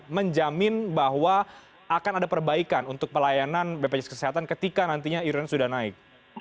menjamin bahwa akan ada perbaikan untuk pelayanan bpjs kesehatan ketika nantinya iuran sudah naik